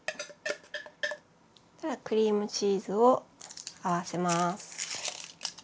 クリームチーズを合わせます。